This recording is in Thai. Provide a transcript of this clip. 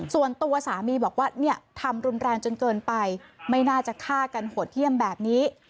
ส่วนตัวสามีบอกว่าเนี่ยทำรุนแรงจนเกินไปไม่น่าจะฆ่ากันโหดเยี่ยมแบบนี้